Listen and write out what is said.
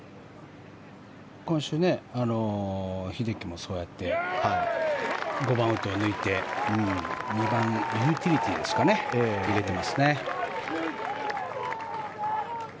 今週、英樹もそうやって５番ウッドを抜いて２番ユーティリティーですかね入れてますね。